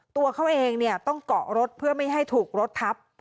ตัวเขาเองเนี่ยต้องเกาะรถเพื่อไม่ให้ถูกรถทับ